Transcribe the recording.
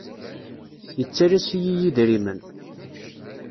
Yettalas-iyi idrimen.